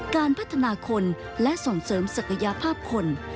การพัฒนาคนและส่งเสริมศักยภาพคน